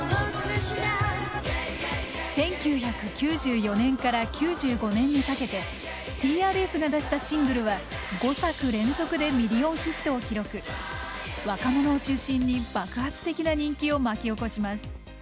１９９４年から９５年にかけてＴＲＦが出したシングルは若者を中心に爆発的な人気を巻き起こします。